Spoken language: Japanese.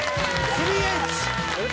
３Ｈ。